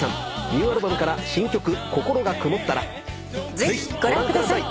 ニューアルバムから新曲『心が曇ったら』ぜひご覧ください。